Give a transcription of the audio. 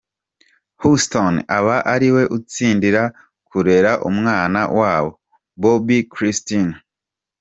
Houston aba ariwe utsindira kurera umwana wabo, Bobbi Kristina.